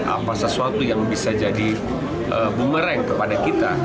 apa sesuatu yang bisa jadi bumerang kepada kita